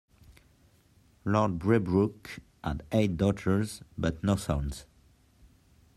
Lord Braybrooke had eight daughters but no sons.